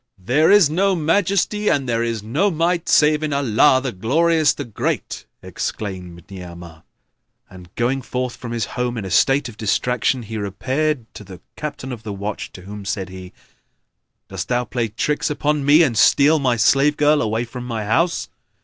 "There is no Majesty and there is no Might save in Allah, the Glorious, the Great!" exclaimed Ni'amah and, going forth from his home in a state of distraction, he repaired to the Captain of the Watch to whom said he, "Doss thou play tricks upon me and steal my slave girl away from my house?